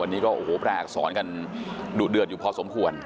วันนี้แปลอักษรกันดูดเดือนอยู่พอสมควร